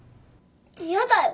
嫌だよ